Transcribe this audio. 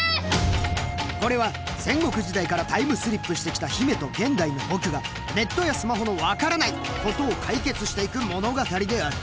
これは戦国時代からタイムスリップしてきた姫と現代のボクがネットやスマホの「わからないっ」ことを解決していく物語である。